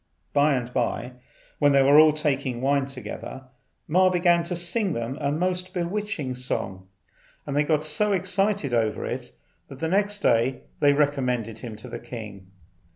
By and by, when they were all taking wine together, Ma began to sing them a most bewitching song, and they got so excited over it that next day they recommended him to the king.